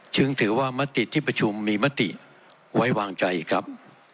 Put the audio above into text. จึงถือว่ามติที่ประชุมมีมติไว้วางใจครับ